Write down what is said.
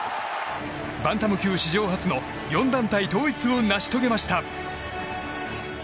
バンタム級史上初の４団体統一を成し遂げました。